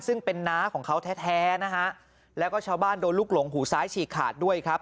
ซึ่งเป็นน้าของเขาแท้นะฮะแล้วก็ชาวบ้านโดนลูกหลงหูซ้ายฉีกขาดด้วยครับ